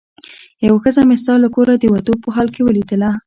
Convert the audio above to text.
یوه ښځه مې ستا له کوره د وتو په حال کې ولیدله.